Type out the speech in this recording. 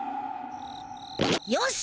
よし！